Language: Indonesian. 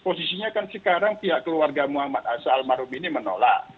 posisinya kan sekarang pihak keluarga muhammad almarhum ini menolak